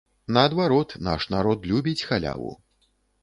Наадварот, наш народ любіць халяву.